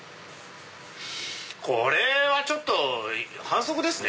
これはちょっと反則ですね。